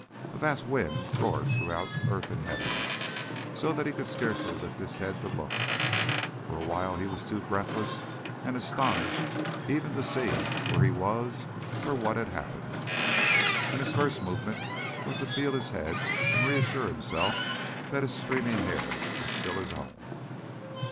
A vast wind roared throughout earth and heaven, so that he could scarcely lift his head to look. For a while he was too breathless and astonished even to see where he was or what had happened. And his first movement was to feel his head and reassure himself that his streaming hair was still his own.